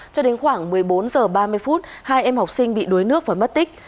cho đến khoảng một mươi bốn h ba mươi phút hai em học sinh bị đuối nước và mất tích